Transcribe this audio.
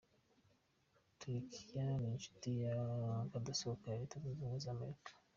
Turikiya ni inshuti y’ akadasohoka ya Leta zunze ubumwe z’ Amerika.